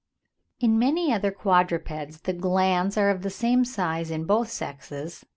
In many other quadrupeds the glands are of the same size in both sexes (9.